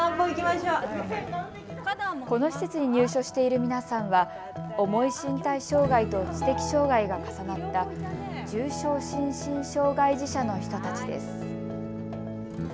この施設に入所している皆さんは重い身体障害と知的障害が重なった重症心身障害児者の人たちです。